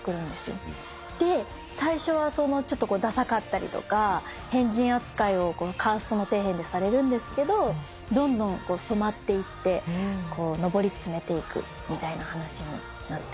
で最初はちょっとダサかったりとか変人扱いをカーストの底辺でされるんですけどどんどん染まっていって上り詰めていくみたいな話になってます。